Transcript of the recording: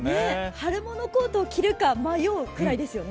春物コートを着るか迷うくらいですよね。